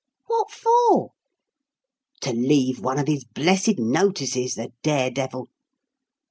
What for?" "To leave one of his blessed notices, the dare devil.